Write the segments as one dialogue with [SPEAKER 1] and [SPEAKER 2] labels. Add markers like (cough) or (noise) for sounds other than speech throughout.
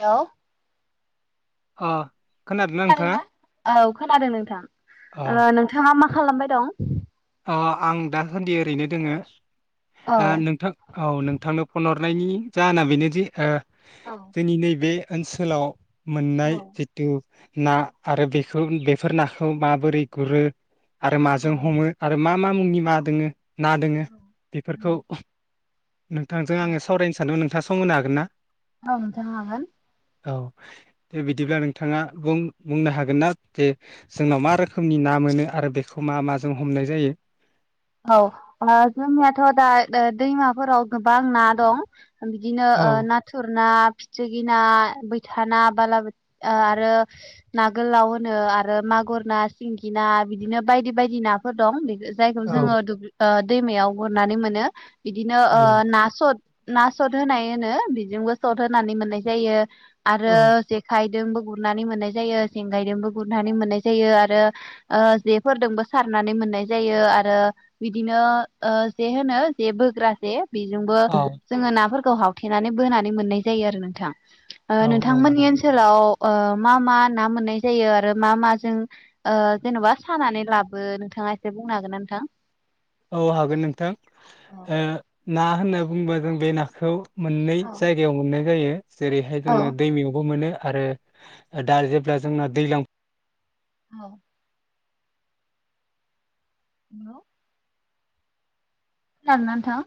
[SPEAKER 1] हेल'
[SPEAKER 2] अ
[SPEAKER 1] खोनादोंना औ खोनादों नोंथां ओ नोंथाङा मा खालामबाय दं
[SPEAKER 2] अह आं दासान्दि ओरैनो दोङो
[SPEAKER 1] औ
[SPEAKER 2] ओह नोंथां औ नोंथांनो फन हरनायनि जाहोना बेनोदि ओ
[SPEAKER 1] औ
[SPEAKER 2] जोंनि नैबे ओनसोलाव
[SPEAKER 1] औ
[SPEAKER 2] मोननाय जिथु ना आरो बेखौ बेफोर नाखौ माबोरै गुरो आरो माजों
[SPEAKER 1] औ
[SPEAKER 2] हमो मा-मा मुंनि मा दोङो ना दोङो बेफोरखौ नोंथांजों आङो सावरायनो सानदोंमोन नोंथाङा स सम होनो हागोन ना?
[SPEAKER 1] औ नोंथां हागोन
[SPEAKER 2] औ दे बिदिब्ला नोंथाङा बुं-बुंनो हागोनना जे जोंनाव मा रोखोमनि ना मोनो आरो बेखौ मा-माजों हमनाय जायो
[SPEAKER 1] औ ओह जोंनियाथ' दा दैमाफोराव गोबां ना दं बिदिनो
[SPEAKER 2] औ
[SPEAKER 1] ओह नाथुर ना फिथ्रिगि ना बैथा ना बालाबोथि आरो ना गोलाव होनो आरो मागुर ना सिंगि ना बिदिनो बायदि बायदि नाफोर दं बे
[SPEAKER 2] औ
[SPEAKER 1] जोङो दुब्लि दैमायाव गुरनानै मोनो बिदिनो
[SPEAKER 2] औ
[SPEAKER 1] ना सद ना सट होनाय होनो बेजोंबो सद होनानै मोननाय जायो
[SPEAKER 2] औ
[SPEAKER 1] आरो जेखाय गुरनानै मोननाय जायो जेंगायजोंबो गुरनानै मोननाय जायो आरो जेफोरजोंबो सारनानै मोननाय जायो आरो आरो बिदिनो जे होनो जे बोग्रा जे बेजोंबो जोङो नाफोरखौ हावथेनानै बोनानै मोननाय जायो आरो नोंथां
[SPEAKER 2] औ औ
[SPEAKER 1] नोंथांमोननि ओनसोलाव मा मा ना मोननाय जायो आरो मा माजों जेन'बा सानानै लाबो नोंथाङा एसे बुंनो हागोन नोंथां
[SPEAKER 2] औ हागोन नोंथां ना होनना बुंङोबा जों बे नाखौ मोननै जायगायाव मोननाय जायो जेरैहाय
[SPEAKER 1] औ
[SPEAKER 2] जोङो दैमायावबो मोनो आरो दा जेब्ला जोंना दैज्लां
[SPEAKER 1] औ। हेलौ। खोनादोंना नोंथां?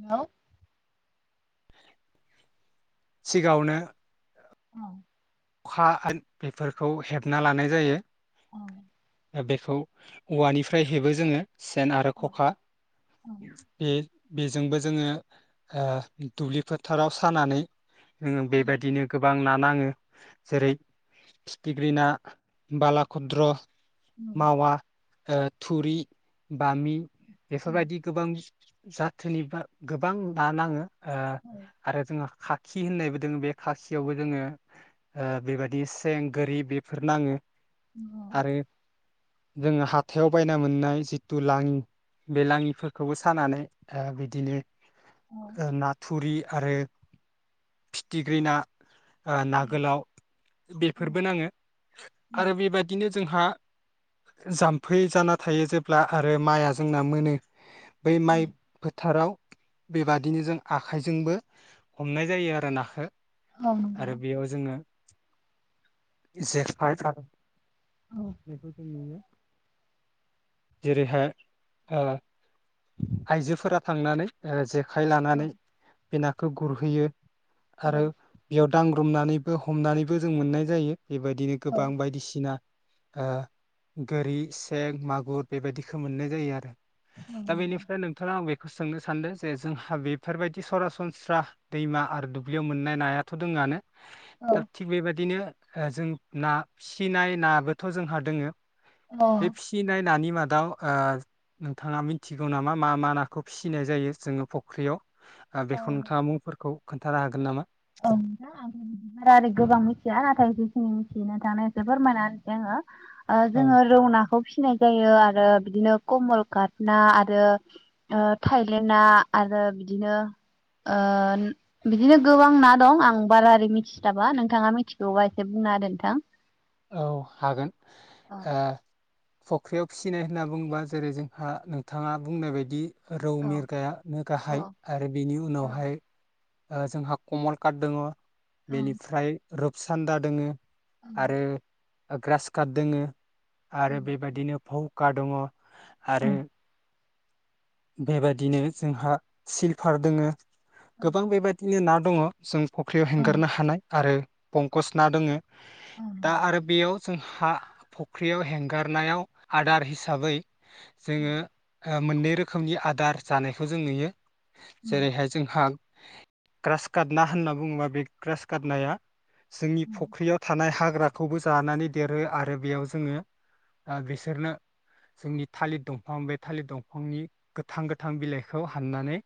[SPEAKER 1] हेलौ।
[SPEAKER 2] (inaudible) सिगाङावनो
[SPEAKER 1] औ।
[SPEAKER 2] खा बेफोरखौ हेबना लानाय जायो।
[SPEAKER 1] औ।
[SPEAKER 2] दा बेखौ औवानिफ्राय हेबो जोङो। सेन आरो ख'खा बे बेजोंबो जोङो ओ दुब्लि फोथाराव सानानै जोङो बेबायदिनो गोबां ना नाङो जेरै फिथिग्रि ना, बाला खुद्रख मावा ओ थुरि बामि। बेफोरबायदि गोबां जाथोनि बा गोबां बा नाङो। ओ आरो जोंहा फाख खि होननायबो दोङो बे खासियावबो जोङो ओ बेबायदि सें, गोरि बेफोर नाङो। आरो
[SPEAKER 1] (inaudible)
[SPEAKER 2] जोङो हाथायाव बायना मोननाय जिथु लाङि बे लाङिफोरखौबो सानानै ओ बिदिनो ओ ना थुरि आरो फिथिग्रि ना ओ ना गोलाव बेफोरबो नाङो आरो बेबादिनो जोंहा जाम्फै जाना थायो जेब्ला आरो माइआ जोंना मोनो बै माइ फोथाराव बेबादिनो जों आखाइजोंबो हमनाय जायो आरो नाखो। आरो बेयाव जोङो (inaudible) एसे (unintelligible) (inaudible) बेबादि नुयो। जेरैहाय ओ आइजोफोरा थांनानैे ओ खाइ लानानै बे नाखौ गुरहैयो, आरो बेयाव दां हमनानैबो हमनानैबो जों मोननाय जायो। बेबायदिनो गोबां बायदिसिना, ओ गोरि सें मागुर बेबायदिखो मोननाय जायो आरो दा बेनिफ्राय नोंथां आं बे सोंनो सानदों जे जोंहा बेफोरबायदि सरासनस्रा दैमा आरो दुब्लियाव मोननाय नायाथ' दोङोआनो, दा थिग बेबायदिनो ओ जों ना फिसिनाय नाबोथ' जोंहा दोङो बे फिसिनाय, नानि मादाव ओ नोंथाङा मिथिगौ नामा? मा मा नाखौ फिसिनाय जायो जोङो फ'ख्रियाव। ओ बेखौ नोंथाङा मुंफोरखौ, खोनथानो हागोन नामा?
[SPEAKER 1] औ दा आं बारा गोबां मिथिया नाथाय जिखिनि मिथियो नोंथांनो एसे फोरमायना होनिसै आङो। ओ
[SPEAKER 2] औ
[SPEAKER 1] जोङो रौनाखौ, फिसिनाय जायो आरो बिदिनो कमल काट ना आरो ओ थाइलेन्द ना आरो बिदिनो ओ बिदिनो गोबां, गोबां ना दं आं बारा ओरै मिथिस्लाबा नोंथाङा मिथिगौबा एसे बुंना आरो नोंथां,
[SPEAKER 2] औ हागोन आ फख्रियाव फिसिनाय होनना बुंङोबा जेरै जोंहा नोंथाङा बुंनाय बायदि, रौ मिरखायानो गाहाय आरो बिनि उनावहाय, जोंहा कमन काट दङ, बेनिफ्राय रुपसान्दा दङो, आरो ग्रास काप दोङो, आरो बेबायदिनो भौ (unintelligible) दङ आरो बेबायदिनो जोंहा सिलफार दोङो, गोबां बेबायदिनो ना दङ। जों फख्रियाव हेंगारनो हानाय आरो पंकस ना दङ, दा आरो बेयाव जों हा फख्रियाव हेंगारनायाव आदार हिसाबै, जोङो ओ मोननै रो रोखोमनि आदार जानायखौ जों नुयो। जेरैहाय जोंहा- ग्रासकाट ना होनना बुंङोबा बे ग्रायसकाथ नाया जोंनि फख्रियाव थानाय हा- हाग्राखौबो जानानै देरो आरो बेयाव जोंङो बिसोरनो जोंनि थालिर दंफां बे थालिर दंफांनि गोथां-गोथां बिलाइखौ हाननानै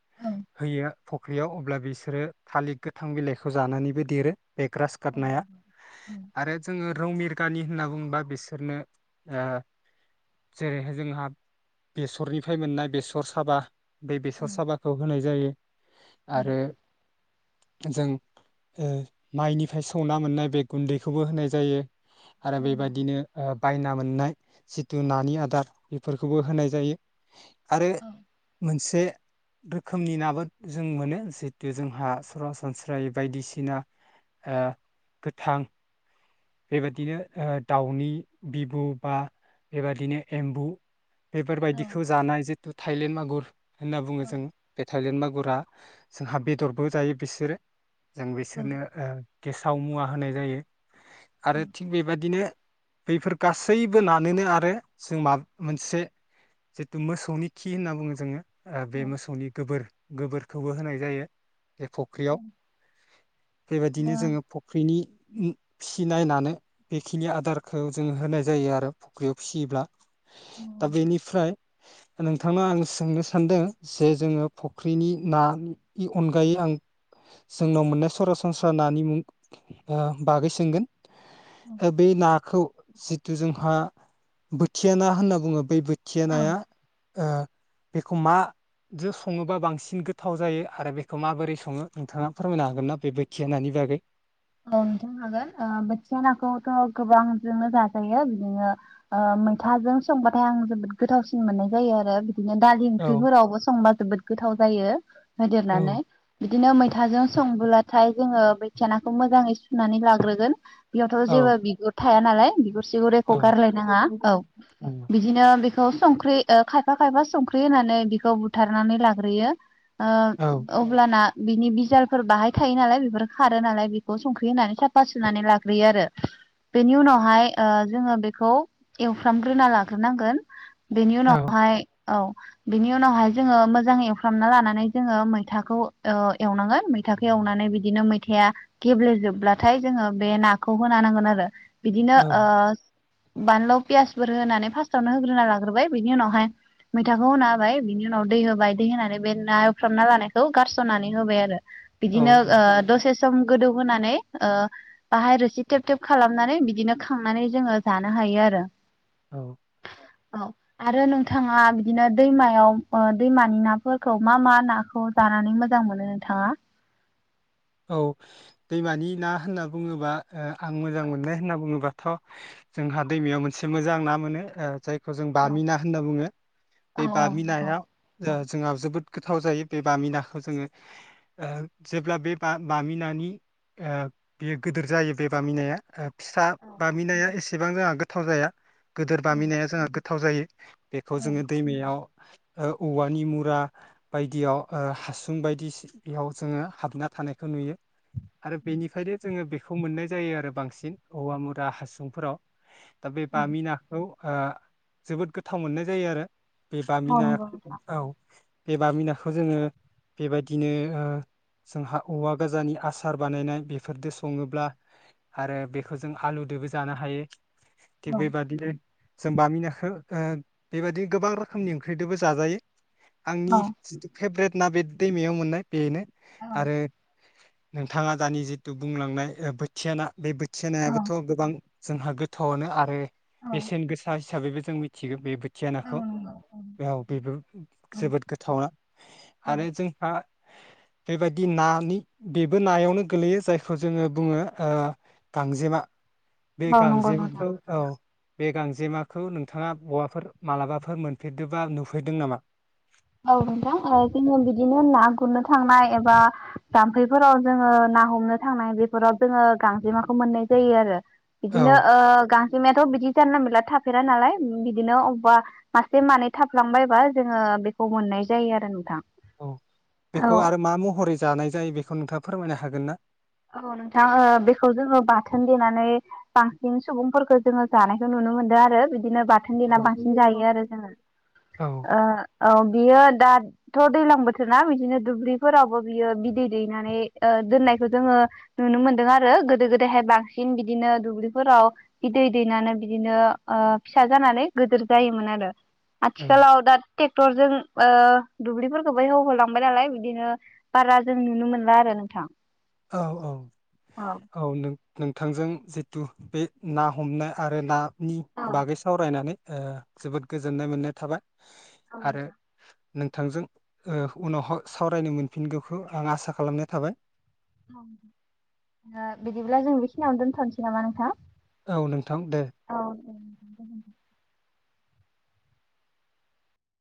[SPEAKER 2] होयो फख्रियाव। अब्ला बिसोरो थालिर गोथां बिलाइखौ जानानैबो देरो। बे ग्रासकाट नाया आरो जोंङो रौ मिर कानि होनना बुंङोबा बिसोरनो जेरैहाय जोंहा बेसरनिफ्राय मोननाय बेस रसाबा बे बेसर साबाखौ होनाय जायो आरो जों ओ माइनिफ्राय सौना मोननाय बे गुन्दैखौबो होनाय जायो। आरो बेबादिनो ओ बायना मोननाय जिथु नानि आदार बेफोरखौबो होनाय जायो आरो मोनसे रोखोमनि नाबो जों मोनो जिहेतु जोंहा सरासनस्रायै बायदिसिना गोथां बेबादिनो दाउनि बिबु बा बेबादिनो एम्बु बेफोरबायदिखौ जानाय जितु थाइलेण्ड मागुर होनना बुङो जों, बे टालियेन मा गुरा जोंहा बेदरबो जायो बिसोरो। जों बिसोरनो ओ गेसाव मुवा होनाय जायो। आरो थिग बेबादिनो बैफोर गासैबो नानोनो आरो जों माबा मोनसे जिथु मोसौनि खि होनना बुंङो जोंङो आ बे मोसौनि गोबोर गोबोरखौबो होनाय जायो ए फख्रियाव बेबायदिनो जोंङो फुख्रिनि (unintelligible) इनायनानै बेखिनि आदारखौ जों होनाय जायो आरो फुख्रियाव फिसियोब्ला । दा बेनिफ्राय दा नोंथांनो आं सोंनो सानदो से जोंङो फख्रिनि ना इ अनगायै आं जोंनाव मोननाय सरासनस्रा नानि मुं आ बागै सोंगोन । बे नाखौ सिथु जोंहा बोथिया ना होनना बुंङो बै-बै खिया नाया आ बेखौ माजो संङोबा बांसिन गोथाव जायो आरो बेखौ माबोरै सङो? नोंथाङा फोरमायनो हागोन ना बे बोथिया नानि बागै ।
[SPEAKER 1] औ नोंथां हागोन ओ बोथिया नाखौथ' गोबांजोंनो जाजायो बिदिनो ओ मैथाजों संबाथाय आं जोबोद गोथावसिन मोननाय जायो आरो बिदिनो दालि
[SPEAKER 2] औ
[SPEAKER 1] ओंख्रिफोरावबो संबा जोबोद गोथाव जायो होदेरनानै
[SPEAKER 2] औ
[SPEAKER 1] बिदिनो मैथाजों संबोब्लाथाय जोंङो बैथिया ना खौ मोजांङै सुनानै लाग्रोगोन बेयावथ'
[SPEAKER 2] औ
[SPEAKER 1] जेबो बिगुथ थाया नालाय बिगुथ पिउरायक'
[SPEAKER 2] औ
[SPEAKER 1] गारलायनाङा औ
[SPEAKER 2] औ
[SPEAKER 1] बिदिनो बेखौ संख्रि ओ खायफा खायफा संख्रि होनानै बिखौ बुथारनानै लाग्रोयो ।
[SPEAKER 2] औ
[SPEAKER 1] ओ अब्लाना बिनि बिजालफोर बाहाय थायो नालाय बेफोर खारो नालाय ग संख्रि होनानै साफा सुानै लाग्रोयो आरो बेनि उनावहाय ओ जोङो बेखौ एवफ्रामग्रोना लाग्रोनांगोन बेनि
[SPEAKER 2] औ
[SPEAKER 1] उनावहाय औ बिनि उनावहाय जोङो मोजां एवफ्रामना लानानै जोङो मैथाखौ ओ एवनांगोन मैथाखौ एवनानै बिदिनो मैथाया गेब्लेेजोबब्लाथाय जोङो बे नाखौ होना नांगोन आरो । बिदिनो ओ बानल' पियासफोर होनानै फार्स्टावनो होग्रोना लाग्रोबाय बिनि उनावहाय मैथाखौ होना होबाय बिनि उनाव दै होबाय दै होनानै बे ना एवफ्रामना लानायखौ गारस'नानै होबाय आरो
[SPEAKER 2] औ
[SPEAKER 1] बिदिनो ओ दसेस चोम गोदौहोनानै ओ बाहारोसि थेब थेब खालामनानै बिदिनो खांनानै जोङो जानो हायो आरो ।
[SPEAKER 2] औ ।
[SPEAKER 1] औ आरो नोंथाङा बिदिनो दैमायाव ओ दैमानि नाफोरखौ मा मा नाखौ जानानै मोजां मोनो? नोंथाङा ।
[SPEAKER 2] औ दैमानि ना होनना बुङोबा ओ आं मोजां मोननाय होनना बुङोबा थ' जोंहा दैमायाव मोनसे मोजां ना मोनो ओ जाय बेखौ जों बामिना होनना बुङो बे बामिनाया ओ जोंहा जोबोद गोथाव जायो बे बामिनाखौ जोङो ओ जेब्ला बे। बा बामिनानि ओ बेयो गोदोर जायो बे बामिनाया ओ। फिसा बामिनाया एसे। एसेबां जोंहा गोथाव जाया। गोदोर बामिनाया जोंहा गो गोथाव जायो। बेखौ जोङो दैमायाव। ओ औवानि मुरा बायदियाव ओ हासुं बायदिसियाव जोङो हाबना थानाय। बेखौ नुयो आरो बेनिफ्रायनो जोङो बेखौ मोननाय जायो आरो बांसिन औवा मुरा हासुंफोराव दा बे बामि नाखौ ओ जोबोद गोथाव मोननाय जायो आरो। बे बामि ना औ। बेबामिनाखौ जोङो बेबायदिनो ओ जोंहा। औवा गोजानानि आसार बानायनाय बेफोरदो संङोब्ला आरो बेखौ जों हालुदोबो जानो हायो। थिग बेबादिनो। जों बामिनिखो ओ बेबादि गोबां रोखोमनि ओंख्रिदोबो जाजायो। आंनि जिथु फेभरेट। ना बे दैमायाव मोननाय। बेनो आरो नोंथांङा दानि जितु बुंलांनाय बोथिया ना बे बो थिया नायाबोथ' गोबां जोंहा गोथावआनो आरो बेसेन गोसा हिसाबैबो जों मिथिगोन बे थिया नाखौ औ बेबो जोबोद गोथावना आरो जोंहा बेबायदि ना नि बेबो नायावनो गोलैयो जायखौ जोङो बुङो ओ गांजेमा बे
[SPEAKER 1] औ नंगौ
[SPEAKER 2] गांजे
[SPEAKER 1] नोंथां।
[SPEAKER 2] (unintelligible) औ बे गांजेमाखौ नोंथाङा बयाफोर मालाबाफोर मोनफेरदोंबा नुफैदों नामा?
[SPEAKER 1] औ नोंथां ओ जोङो बिदिनो ना गुरनो थांनाय एबा जाम्फैफोराव जोङो ना हमनो थांनाय बेफोराव जोङो गांजेमाखौ मोननाय जायो आरो
[SPEAKER 2] औ
[SPEAKER 1] इदिनो ओ गां जेंमायाथ' बिदि जानला माला थाफेरा नालाय बिदिनो अबेबा मासे मानै थाफलांबायबा जोङो बे खौ मोननाय जायो आरो नोंथां
[SPEAKER 2] औ बेखौ
[SPEAKER 1] औ
[SPEAKER 2] आरो मा महरै जानाय जायो बेखौ नोंथां फोरमायनो हागोन ना?
[SPEAKER 1] औ नोंथां ओ बेखौ जोङो बाथोन देनानै बांसिन सुबुंफोरखौ जोङो जानायखौ नुनो मोनदों आरो बिदि दिनो बाथोन देना
[SPEAKER 2] औ
[SPEAKER 1] बांसिन जायो आरो जोङो
[SPEAKER 2] औ
[SPEAKER 1] ओ औ बियो दाथ' दैलां बोथोरना बिदिनो दुब्रिफोरावबो बियो बिदै दैनानै ओ दोननायखौ जोङो नुनो मोनदों आरो गोदो गोदायहाय बांसिन बिदिनो दुब्लिफोराव बिदै दैनानै बिदिनो ओ फिसा जानानै गोदोर जायोमोन आरो। आथिखालाव दा टरजों ओ दुब्लिफोरखौबो एवहोलांबाय नालाय बिदिनो बारा जों नुनो मोनला आरो नोंथां।
[SPEAKER 2] औ औ औ नों नोंथांजों जिथु बे ना हमनाय आरो ना नि बागै सावरायनानै ओ जोबोद गोजोननाय मोननाय थाबाय
[SPEAKER 1] औ
[SPEAKER 2] आरो
[SPEAKER 1] नोंथां
[SPEAKER 2] नोंथांजों ओ उनावहो सावरायनो मोनफिनगौखौ आं आसा खालामनाय थाबाय।
[SPEAKER 1] बिदिब्ला जों बेखिनियावनो दोनथ'नोसै नामा नोंथां?
[SPEAKER 2] औ नोंथां दे।
[SPEAKER 1] (unintelligible)